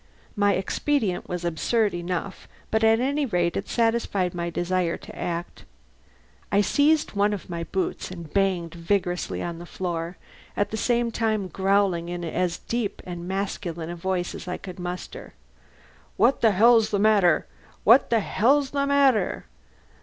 My expedient was absurd enough, but at any rate it satisfied my desire to act. I seized one of my boots and banged vigorously on the floor, at the same time growling in as deep and masculine a voice as I could muster: "What the hell's the matter? What the hell's the matter?"